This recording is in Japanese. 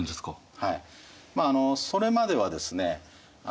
まあそれまではですね